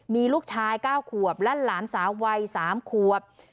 มีลูกชาย๙ขวบและหลานสาววัย๓ขวบ